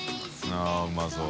◆舛うまそう。